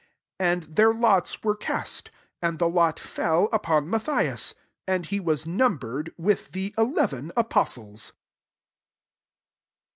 "* 26 And their lots were cast: and the lot fell upon Matthias ; and he was numbered with the eleven apostles.